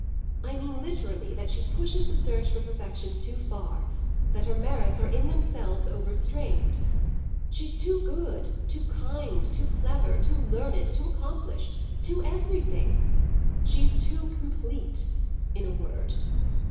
I mean literally that she pushes the search for perfection too far that her merits are in themselves overstrained. She's too good, too kind, too clever, too learned, too accomplished, too everything. She's too complete, in a word.